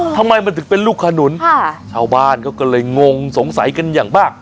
ทำไมมันถึงเป็นลูกขนุนชาวบ้านเขาก็เลยงงสงสัยกันอย่างบ้าง